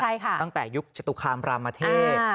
ใช่ค่ะตั้งแต่ยุคจตุคามประมาเทศอ่า